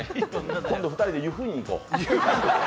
今度２人で湯布院に行こう。